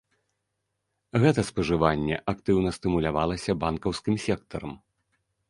Гэта спажыванне актыўна стымулявалася банкаўскім сектарам.